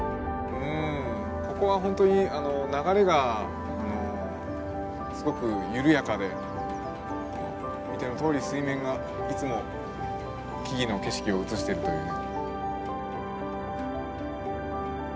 うんここは本当に流れがすごく緩やかで見てのとおり水面がいつも木々の景色を映してるというね。